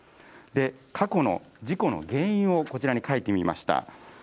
過去の事故の原因をこちらに書いてみました。